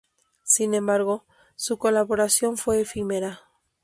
Sin embargo, su colaboración fue efímera.